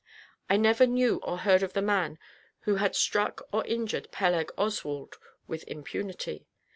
I never knew or heard of the man who had struck or injured Peleg Oswald with impunity.